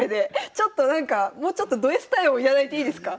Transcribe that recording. ちょっとなんかもうちょっとドＳ対応も頂いていいですか？